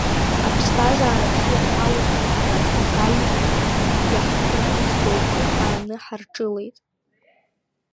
Аԥсҭазаара бзиа ҳауеит ҳәа ҳара ҳтәқәа кажьны, иаҳтәымыз џьоукы ҳааны ҳарҿылеит.